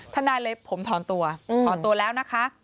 นายเลยผมถอนตัวถอนตัวแล้วนะคะ